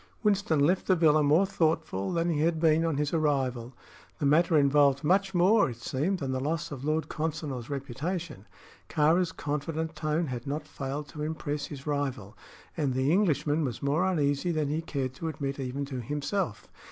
Winston left the villa more thoughtful than he had been on his arrival. The matter involved much more, it seemed, than the loss of Lord Consinor's reputation. Kāra's confident tone had not failed to impress his rival, and the Englishman was more uneasy than he cared to admit even to himself.